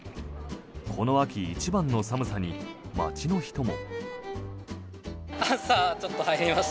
この秋一番の寒さに街の人も。